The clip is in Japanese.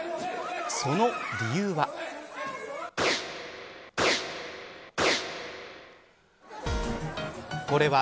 その理由は。